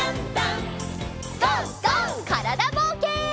からだぼうけん。